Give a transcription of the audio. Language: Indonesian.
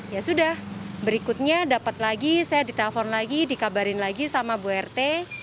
ya sudah berikutnya dapat lagi saya ditelepon lagi dikabarin lagi sama bu rt